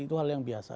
itu hal yang biasa